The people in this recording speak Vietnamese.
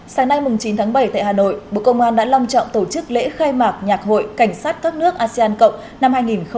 sáng nay chín tháng bảy tại hà nội bộ công an đã long trọng tổ chức lễ khai mạc nhạc hội cảnh sát các nước asean cộng năm hai nghìn hai mươi